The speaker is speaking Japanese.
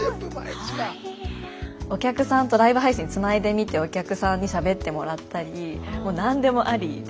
お客さんとライブ配信つないでみてお客さんにしゃべってもらったりもう何でもありで。